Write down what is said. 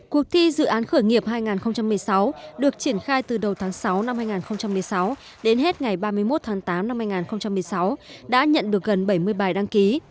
cuộc thi dự án khởi nghiệp hai nghìn một mươi sáu được triển khai từ đầu tháng sáu năm hai nghìn một mươi sáu đến hết ngày ba mươi một tháng tám năm hai nghìn một mươi sáu đã nhận được gần bảy mươi bài đăng ký